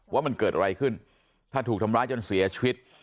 ว่ามันเกิดอะไรขึ้นถ้าถูกทำร้ายจนเสียชีวิต